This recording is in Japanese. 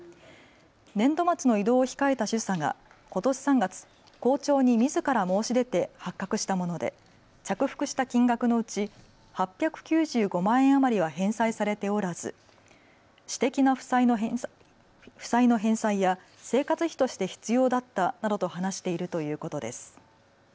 年度末の異動を控えた主査がことし３月校長にみずから申し出て発覚したもので着服した金額のうち８９５万円あまりは返済されておらず私的な負債の返済や生活費として必要だったなどと話しているということです。